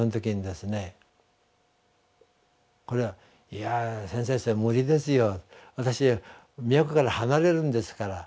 「いやぁ先生それは無理ですよ。私宮古から離れるんですから。